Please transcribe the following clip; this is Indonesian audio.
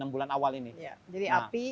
enam bulan awal ini jadi